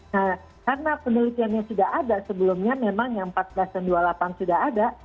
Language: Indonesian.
nah karena penelitiannya sudah ada sebelumnya memang yang empat belas dan dua puluh delapan sudah ada